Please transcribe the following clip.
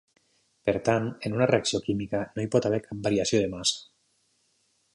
Per tant, en una reacció química no hi pot haver cap variació de massa.